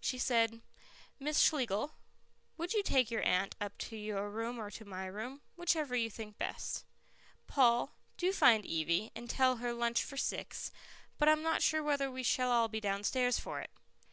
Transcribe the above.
She said, "Miss Schlegel, would you take your aunt up to your room or to my room, whichever you think best. Paul, do find Evie, and tell her lunch for six, but I'm not sure whether we shall all be downstairs for it."